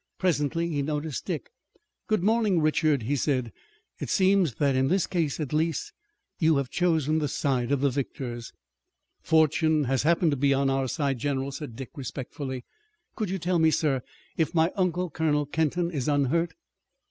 Presently he noticed Dick. "Good morning, Richard," he said. "It seems that in this case, at least, you have chosen the side of the victors." "Fortune has happened to be on our side, general," said Dick respectfully. "Could you tell me, sir, if my uncle, Colonel Kenton, is unhurt?"